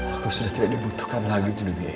aku sudah tidak dibutuhkan lagi di dunia ini